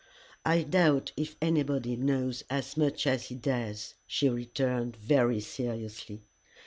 I doubt if anybody knows as much as he does," she returned, very seriously.